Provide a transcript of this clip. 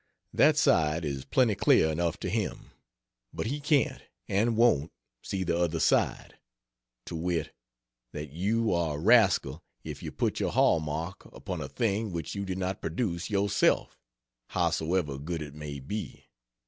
That side is plenty clear enough to him, but he can't and won't see the other side, to wit: that you are a rascal if you put your hall mark upon a thing which you did not produce yourself, howsoever good it may be.